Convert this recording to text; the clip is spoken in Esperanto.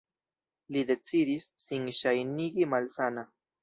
Li decidis sin ŝajnigi malsana.